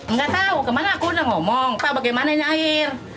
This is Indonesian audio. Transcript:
nggak tahu kemana aku udah ngomong pak bagaimana ini air